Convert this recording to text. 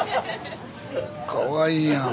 かわいいやん。